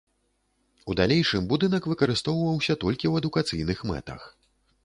У далейшым будынак выкарыстоўваўся толькі ў адукацыйных мэтах.